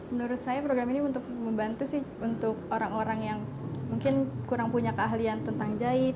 menurut saya program ini untuk membantu sih untuk orang orang yang mungkin kurang punya keahlian tentang jahit